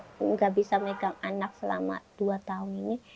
ia tidak bisa menganggap anak selama dua tahun ini